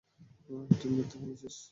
তুই মিথ্যা বলছিস!